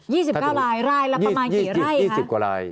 สิบเก้าลายรายละประมาณกี่ไร่ยี่สิบกว่าราย